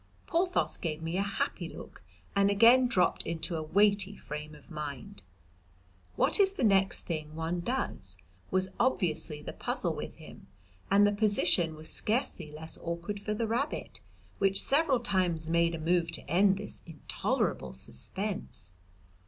Porthos gave me a happy look and again dropped into a weighty frame of mind. 'What is the next thing one does?' was obviously the puzzle with him, and the position was scarcely less awkward for the rabbit, which several times made a move to end this intolerable suspense.